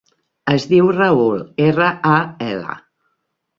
Es diu Raül: erra, a, ela.